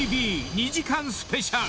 ＴＶ」２時間スペシャル。